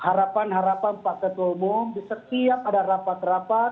harapan harapan pak ketua umum di setiap ada rapat rapat